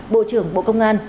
bộ trưởng bộ công an